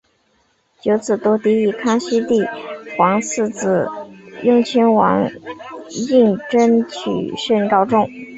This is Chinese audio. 九子夺嫡以康熙帝皇四子雍亲王胤禛取胜告终。